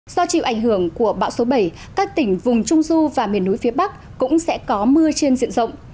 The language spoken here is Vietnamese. do chịu ảnh hưởng của bão số bảy các tỉnh vùng trung du và miền núi phía bắc cũng sẽ có mưa trên diện rộng